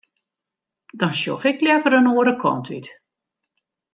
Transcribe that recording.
Dan sjoch ik leaver in oare kant út.